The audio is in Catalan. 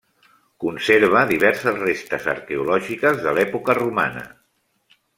Conserva diverses restes arqueològiques de l'època romana.